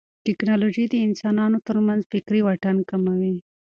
ټیکنالوژي د انسانانو ترمنځ فکري واټن کموي.